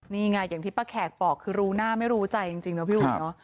นี่ไงอย่างที่ป้าแขกบอกคือรู้หน้าไม่รู้ใจจริงนะพี่อุ๋ยเนอะ